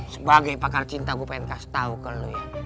sebagai pakar cinta gue pengen kasih tau ke lo ya